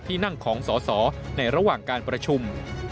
ที่นั่งของสอสอในระหว่างการประชุม